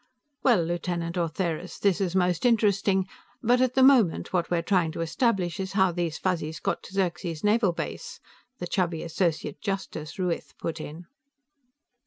"Well, Lieutenant Ortheris, this is most interesting, but at the moment, what we're trying to establish is how these Fuzzies got to Xerxes Naval Base," the chubby associate justice, Ruiz, put in.